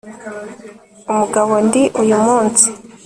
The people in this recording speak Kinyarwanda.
umugabo ndi uyu munsi